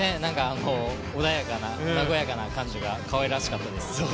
穏やかな、和やかな感じがかわいらしかったです。